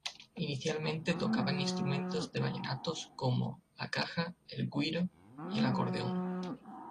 Inicialmente tocaban instrumentos de vallenatos como, la caja, el güiro y el acordeón.